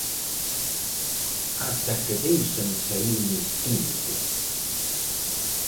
Ata que deixan saír o instinto.